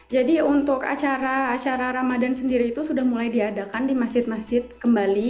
jadi untuk acara acara ramadan sendiri itu sudah mulai diadakan di masjid masjid kembali